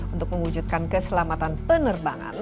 untuk mengwujudkan keselamatan penerbangan